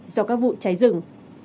do các vụ cháy rừng